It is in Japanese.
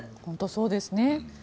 本当そうですね。